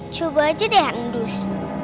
coba aja deh andus